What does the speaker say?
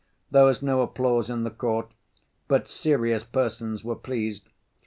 There was no applause in the court, but serious persons were pleased.